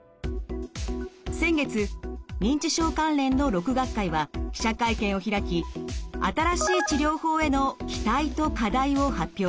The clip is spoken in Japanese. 先月認知症関連の６学会は記者会見を開き新しい治療法への期待と課題を発表しました。